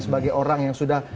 sebagai orang yang sudah